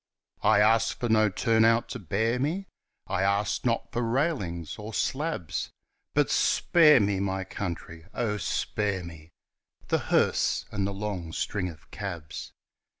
I ask for no "turn out" to bear me; I ask not for railings or slabs, And spare me, my country, oh, spare me The hearse and the long string of cabs!